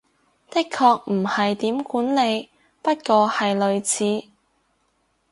的確唔係點管理，不過係類似